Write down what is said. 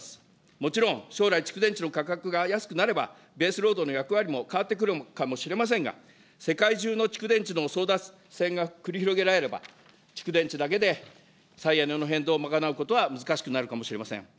もちろん、将来、蓄電池の価格が安くなれば、ベースロードの役割も変わってくるかもしれませんが、世界中の蓄電池の争奪戦が繰り広げられれば、蓄電池だけで再エネの変動を賄うことは難しくなるかもしれません。